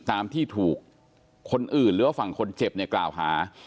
ตามที่ถูกคนอื่นหรือว่าฝั่งคนเจ็บเนี่ยกล่าวหา